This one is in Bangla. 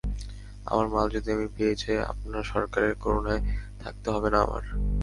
আমার মাল যদি আমি পেয়ে যাই, আপনার সরকারের করুণায় থাকতে হবে না আমার।